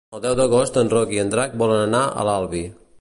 El deu d'agost en Roc i en Drac volen anar a l'Albi.